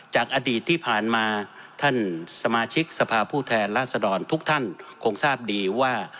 จากอดีตที่ผ่านมาท่านสมาชิกสภาพผู้แทนราษฎรทุกท่านคงทราบดีว่า